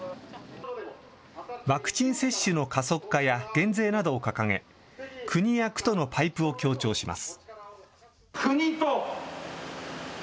ワクチン接種の加速化や減税などを掲げ、国や区とのパイプを強調します。